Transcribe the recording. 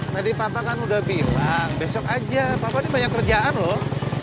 tadi papa kan udah bilang besok aja papa ini banyak kerjaan loh